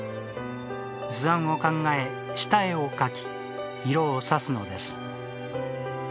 図案を考え、下絵を描き色を挿すのです。